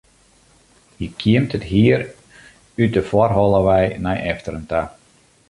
Hy kjimt it hier út de foarholle wei nei efteren ta.